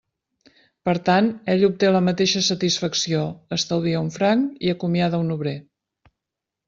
Per tant, ell obté la mateixa satisfacció, estalvia un franc i acomiada un obrer.